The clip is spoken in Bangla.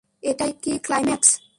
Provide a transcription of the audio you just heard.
এটাই কি ক্লাইম্যাক্স?